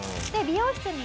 美容室で？